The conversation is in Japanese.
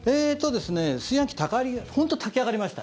本当に炊き上がりました。